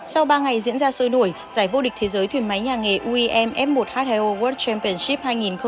sau ba ngày diễn ra sôi đuổi giải vô địch thế giới thuyền máy nhà nghề uim f một h hai o world championship hai nghìn hai mươi bốn